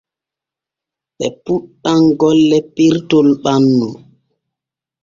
Ɓe puuɗɗa golle pirtol ɓannu.